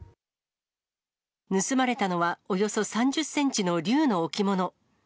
盗まれたのは、およそ３０センチの龍の置物。